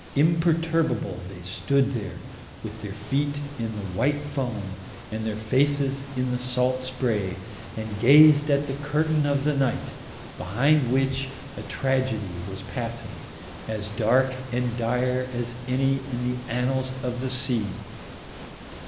Imperturbable they stood there, with their feet in the white foam and their faces in the salt spray, and gazed at the curtain of the night, behind which a tragedy was passing, as dark and dire as any in the annals of the sea.